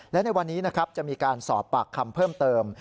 และในวันนี้นะครับจะมีการสอบปากคำเพิ่มเติม